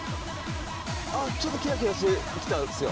あ、ちょっとキラキラしてきたっすよ。